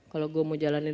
kalau gue mau jalanin